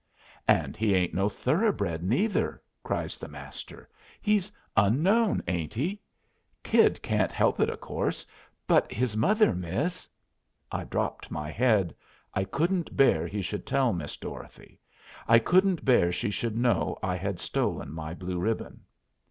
"And he ain't no thoroughbred, neither!" cries the Master. "He's 'Unknown,' ain't he? Kid can't help it, of course, but his mother, miss " I dropped my head. I couldn't bear he should tell Miss Dorothy. I couldn't bear she should know I had stolen my blue ribbon.